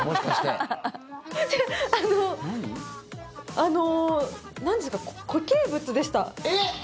あのなんですか固形物でした。